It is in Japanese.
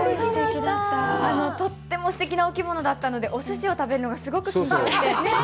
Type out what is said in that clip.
とってもすてきなお着物だったので、おすしを食べるのがすごく緊張して。